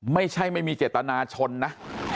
ไม่ใช่ไม่มีเจตนาชนนะ